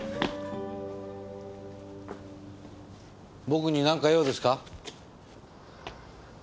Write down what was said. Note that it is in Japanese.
僕に何か用ですか？